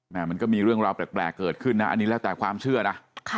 มันก็มีเรื่องราวแปลกเกิดขึ้นนะอันนี้แล้วแต่ความเชื่อนะ